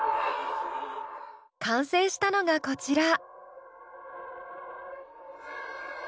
完成したのがこちら。